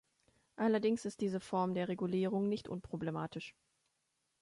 Allerdings ist diese Form der Regulierung nicht unproblematisch.